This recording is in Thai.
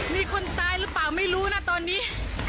มีคนตายหรือเปล่าไม่รู้นะตอนนี้